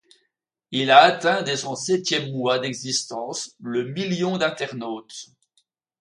Il a atteint dès son septième mois d'existence le million d'internautes.